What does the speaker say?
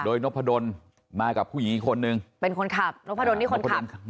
โดยนพดลมากับผู้หญิงอีกคนนึงเป็นคนขับนพดลนี่คนขับ